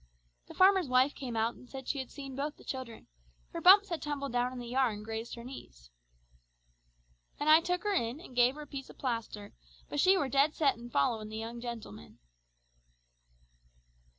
The farmer's wife came out and said she had seen both the children, for Bumps had tumbled down in the yard and grazed her knees. "An' I took her in, an' gave her a piece of plaster, but she were dead set on following the young gentleman."